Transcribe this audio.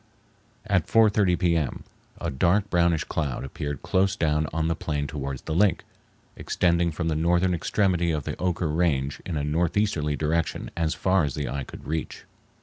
At 4:30 p.m. a dark brownish cloud appeared close down on the plain towards the lake, extending from the northern extremity of the Oquirrh Range in a northeasterly direction as far as the eye could reach.